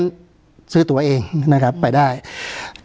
การแสดงความคิดเห็น